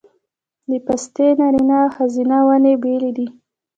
د پستې نارینه او ښځینه ونې بیلې دي؟